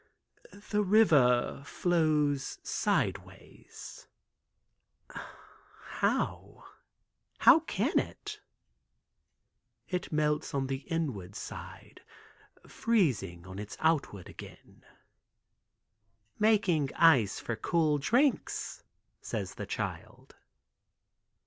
"The river flows sideways." "How—how can it?" "It melts on its inward side, freezing on its outward again." "Making ice for cool drinks," says the child.